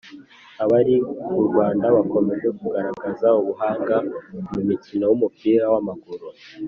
Abari burwanda bakomeje kugaragaza ubuhanga mu mukino wumupira wa maguru